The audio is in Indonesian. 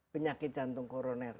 penyakit jantung koroner